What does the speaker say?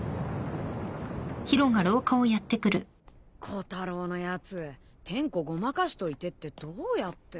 コタロウのやつ点呼ごまかしといてってどうやって。